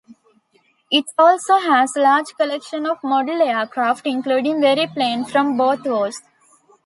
It also has large collection of model aircraft, including every plane from both wars.